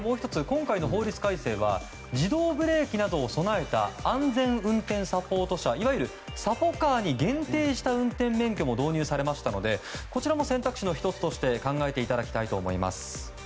今回の法律改正は自動ブレーキなどを備えた安全運転サポート車いわゆるサポカーに限定した運転免許も導入されましたのでこちらも選択肢の１つとして考えていただきたいと思います。